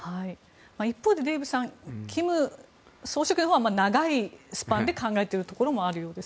一方、デーブさん金総書記は長いスパンで考えているところもあるようです。